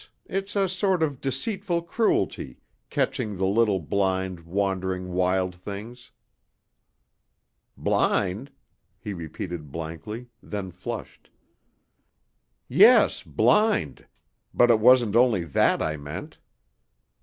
It's a sort of deceitful cruelty, catching the little blind, wandering wild things." "Blind?" he repeated blankly, then flushed. "Yes, blind. But it wasn't only that I meant."